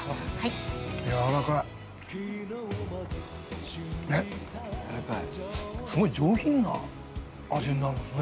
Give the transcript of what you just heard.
軟らかいえっすごい上品な味になるんですね